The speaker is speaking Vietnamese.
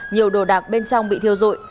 nhiều đồ đạc bên trong bị thiêu rụi